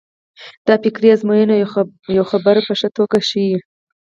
دا فکري ازموینه یوه خبره په ښه توګه ښيي.